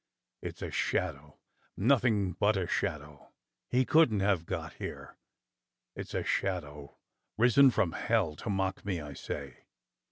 It's a shadow, nothing but a shadow. He couldn't have got here. It's a shadow risen from hell to mock me, I say.